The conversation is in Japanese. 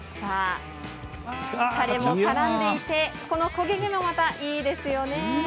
たれもからんでいてこの焦げ目もまたいいですよね。